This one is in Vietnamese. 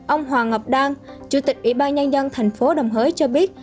ông hoàng ngọc đan chủ tịch ủy ban nhân dân tp đồng hới cho biết